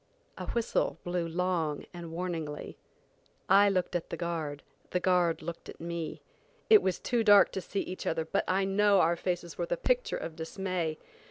A whistle blew long and warningly. I looked at the guard, the guard looked at me. It was too dark to see each other, but I know our faces were the picture of dismay.